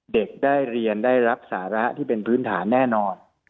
เด็กได้เรียนได้รับสาระที่เป็นพื้นฐานแน่นอน